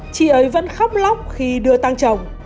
chị ấy vẫn khóc lóc khi đưa tăng chồng